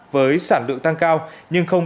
với sản lượng tăng cao nhưng không